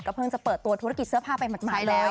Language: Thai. เพิ่งจะเปิดตัวธุรกิจเสื้อผ้าไปหมาดแล้ว